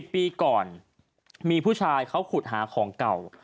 ปีก่อนมีผู้ชายเขาขุดหาของเก่า